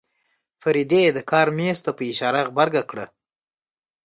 فريدې د کار مېز ته په اشاره غبرګه کړه.